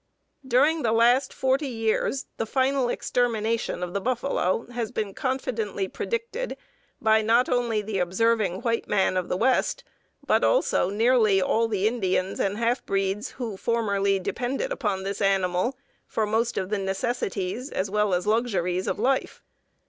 "_ During the last forty years the final extermination of the buffalo has been confidently predicted by not only the observing white man of the West, but also nearly all the Indians and half breeds who formerly depended upon this animal for the most of the necessities, as well as luxuries, of life.